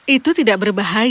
itu tidak berbahaya